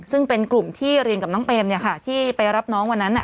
ซึ่งเป็นกลุ่มที่เรียนกับน้องเปมที่ไปรับน้องวันนั้น